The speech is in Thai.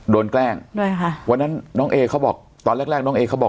โดนแกล้งวันนั้นตอนแรกน้องเอเขาบอก